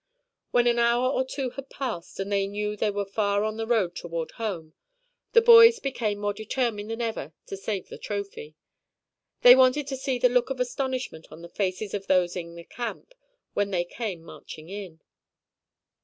When an hour or two had passed and they knew they were far on the road toward home, the boys became more determined than ever to save the trophy. They wanted to see the look of astonishment on the faces of those in the camp when they came marching in.